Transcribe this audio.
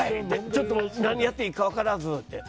ちょっと何やっていいか分からずって。